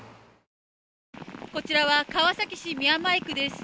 こちらは川崎市宮前区です。